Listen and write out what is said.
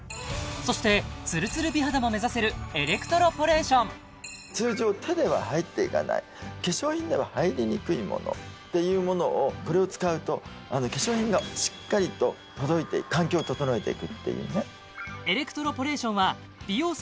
そしてツルツル美肌も目指せるエレクトロポレーション通常手では入っていかない化粧品では入りにくいものっていうものをこれを使うと化粧品がしっかりと届いて環境を整えていくっていうね